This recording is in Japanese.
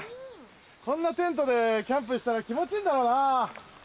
こんなテントでキャンプしたら気持ちいいんだろうなぁ。